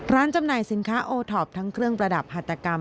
จำหน่ายสินค้าโอท็อปทั้งเครื่องประดับหัตกรรม